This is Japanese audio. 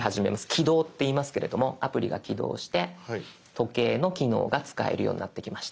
起動っていいますけれどもアプリが起動して時計の機能が使えるようになってきました。